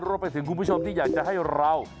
รวมไปถึงคุณผู้ชมที่อยากจะให้เรา